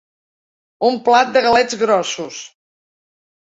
Un plat de galets grossos.